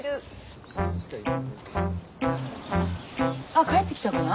あ帰ってきたかな？